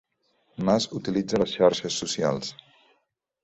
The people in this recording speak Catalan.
Mas utilitza les xarxes socials